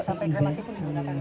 oh sampai krem masih pun digunakan